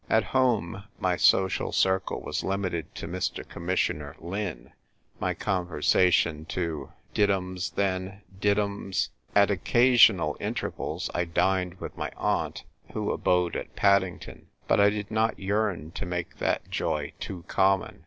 At home, my social circle was limited to Mr. Commissioner Lin : my conversation to " Did 'ums, then ? did 'ums ?" At occa sional intervals I dined with my aunt, who abode at Paddington : but I did not j'^earn to make that joy too common.